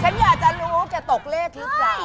ฉันอยากจะรู้แกตกเลขหรือเปล่า